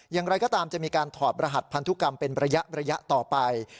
อย่างไรก็ตามจะมีการถอดรหัสพันธุกรรมเป็นระยะต่อไป